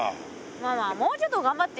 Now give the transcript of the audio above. まあまあもうちょっと頑張ってよ。